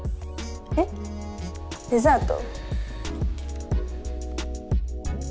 えっデザート？